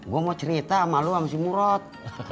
gue mau cerita sama lo sama si murot